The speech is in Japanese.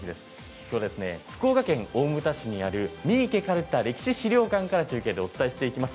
きょうは福岡県大牟田市にある三池カルタ・歴史資料館から中継でお伝えしていきます。